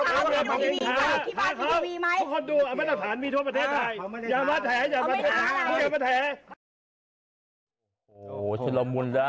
โหเชื่อมูลนะ